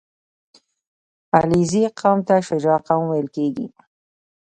• علیزي قوم ته شجاع قوم ویل کېږي.